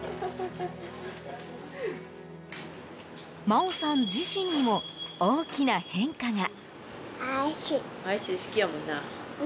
真央さん自身にも大きな変化が。